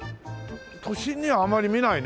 都心にはあまり見ないね。